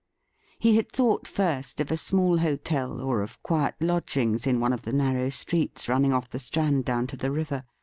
He had thought first of a small hotel or of quiet lodgings in one of the narrow streets running off the Strand down to the river.